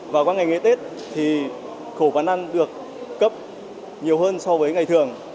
và qua ngày nghề tết thì khẩu phản ăn được cấp nhiều hơn so với ngày thường